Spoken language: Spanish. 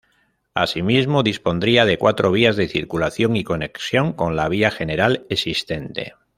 Asimismo, dispondría de cuatro vías de circulación y conexión con la vía general existente.